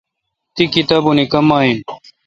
تی کتابونی کم این؟